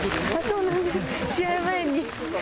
そうなんです、試合前に。